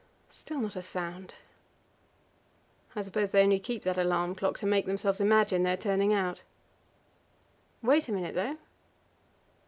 Still not a sound. I suppose they only keep that alarm clock to make themselves imagine they are turning out. Wait a minute, though.